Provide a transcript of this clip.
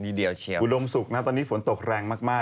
นี่เดี๋ยวเชียวคุณแมนอุดมสุกนะตอนนี้ฝนตกแรงมากครับ